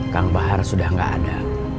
kang bahar sudah tidak ada